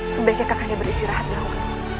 sebaiknya kakanda beristirahat dulu